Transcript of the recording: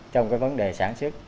trong cái vấn đề sản xuất